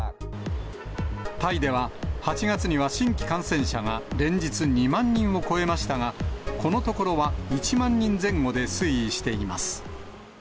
タイでは、８月には新規感染者が連日、２万人を超えましたが、このところは１万人前後で推移しています。